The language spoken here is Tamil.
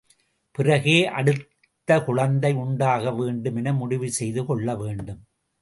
பிறகே அடுத்த குழந்தை உண்டாக வேண்டும் என முடிவு செய்து கொள்ள வேண்டும்.